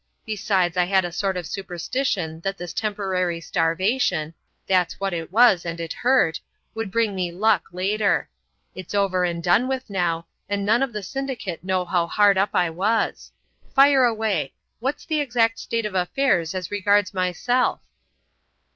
Besides I had a sort of superstition that this temporary starvation—that's what it was, and it hurt—would bring me luck later. It's over and done with now, and none of the syndicate know how hard up I was. Fire away. What's the exact state of affairs as regards myself?"